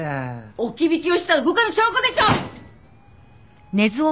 置き引きをした動かぬ証拠でしょ！